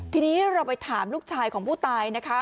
ทีนี้เราไปถามลูกชายของผู้ตายนะคะ